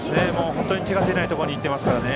本当に手が出ないところに行っていますからね。